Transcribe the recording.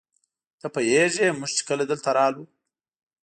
ته پوهېږې موږ چې کله دلته راغلو.